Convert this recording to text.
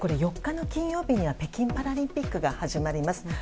４日の金曜日には北京パラリンピックが始まります。